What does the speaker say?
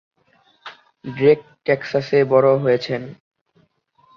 Drake টেক্সাসে বড় হয়েছেন।